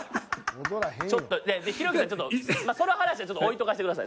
ひろゆきさん、ちょっとその話は置いとかせてください。